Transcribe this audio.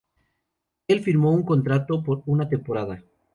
Él firmó un contrato por una temporada.